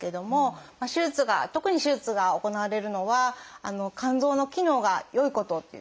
手術が特に手術が行われるのは肝臓の機能が良いことっていう。